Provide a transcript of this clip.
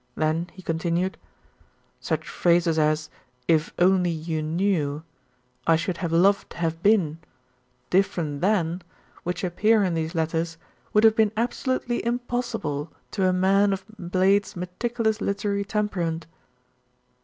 Then he continued: "Such phrases as 'If only you knew,' 'I should have loved to have been,' 'different than,' which appear in these letters, would have been absolutely impossible to a man of Blade's meticulous literary temperament."